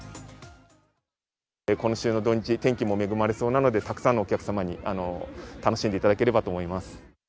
今週の土日、天気も恵まれそうなので、たくさんのお客様に楽しんでいただければと思います。